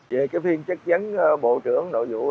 về cái phiên chức dấn bộ trưởng nội vụ